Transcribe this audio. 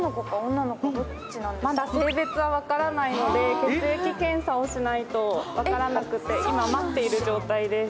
まだ性別は分からないので、血液検査をしないと分からなくて今、待っている状態です。